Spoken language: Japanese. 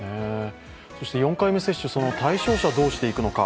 そして４回目の接種の対象者をどうしていくのか。